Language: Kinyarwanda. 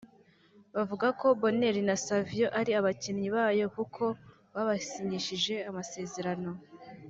bavuga ko Bonheur na Savio ari abakinnyi bayo kuko babasinyishije amasezerano